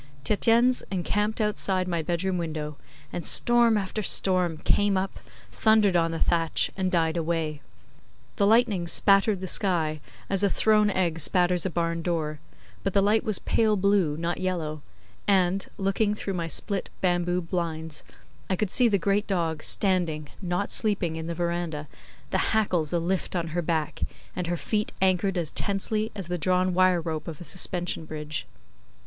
Tietjens encamped outside my bedroom window, and storm after storm came up, thundered on the thatch, and died away. The lightning spattered the sky as a thrown egg spatters a barn door, but the light was pale blue, not yellow; and, looking through my split bamboo blinds, I could see the great dog standing, not sleeping, in the verandah, the hackles alift on her back and her feet anchored as tensely as the drawn wire rope of a suspension bridge.